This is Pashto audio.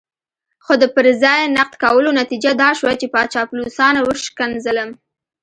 خو د پر ځای نقد کولو نتيجه دا شوه چې چاپلوسانو وشکنځلم.